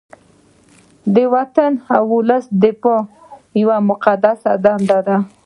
د وطن او ولس دفاع یوه مقدسه دنده ده